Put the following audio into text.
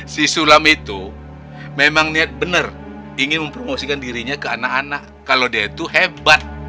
si sulam itu memang niat benar ingin mempromosikan dirinya ke anak anak kalau dia itu hebat